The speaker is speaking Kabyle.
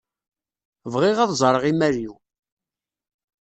Bɣiɣ ad ẓreɣ imal-iw.